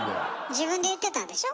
自分で言ってたでしょ。